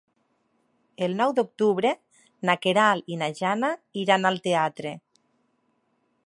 El nou d'octubre na Queralt i na Jana iran al teatre.